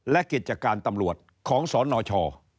และกิจการตำรวจของสนช